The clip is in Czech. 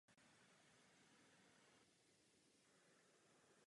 Část armády pak tvořila lehká pěchota.